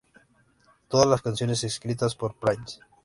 Todas las canciones escritas por Prince.